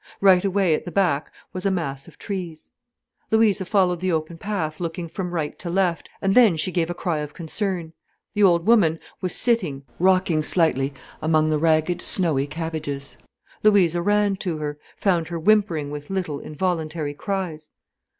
Right away at the back was a mass of trees. Louisa followed the open path, looking from right to left, and then she gave a cry of concern. The old woman was sitting rocking slightly among the ragged snowy cabbages. Louisa ran to her, found her whimpering with little, involuntary cries.